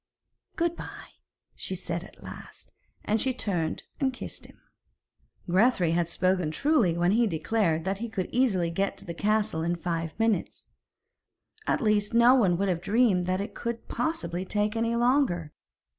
'Good bye,' she said at last, and she turned and kissed him. Grethari had spoken truly when he declared that he could easily get to the castle in five minutes. At least, no one would have dreamed that it could possibly take any longer.